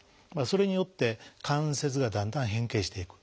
それによって関節がだんだん変形していく。